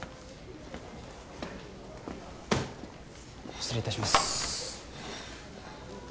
失礼いたします。